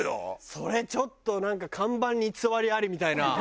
それちょっとなんか看板に偽りありみたいな。